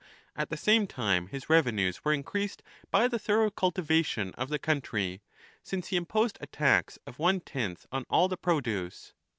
At the same time his revenues were increased by the thorough cultivation of the country, since he imposed a tax of one tenth on all the produce.